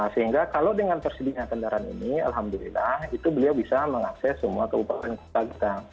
sehingga kalau dengan tersedia kendaraan ini alhamdulillah itu beliau bisa mengakses semua keupatan